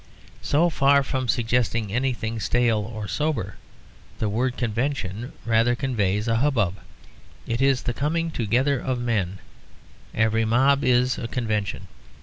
So far from suggesting anything stale or sober, the word convention rather conveys a hubbub; it is the coming together of men; every mob is a convention.